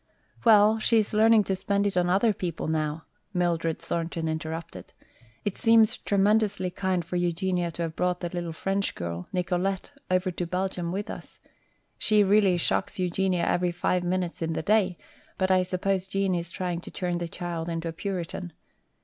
"Well, she is learning to spend it on other people now," Mildred Thornton interrupted. "It seems tremendously kind for Eugenia to have brought the little French girl, Nicolete, over to Belgium with us. She really shocks Eugenia every five minutes in the day, but I suppose Gene is trying to turn the child into a Puritan.